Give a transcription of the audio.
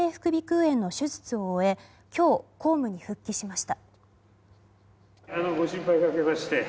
炎の手術を終え今日、公務に復帰しました。